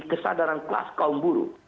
kesadaran kelas kaum buruh